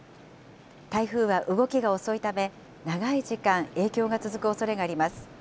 台風は動きが遅いため、長い時間影響が続くおそれがあります。